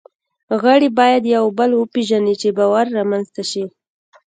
غړي باید یو بل وپېژني، چې باور رامنځ ته شي.